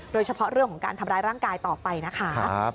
โดยเฉพาะเรื่องของการทำร้ายร่างกายต่อไปนะคะ